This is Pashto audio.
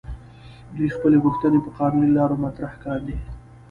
دوی خپلې غوښتنې په قانوني لارو مطرح کاندي.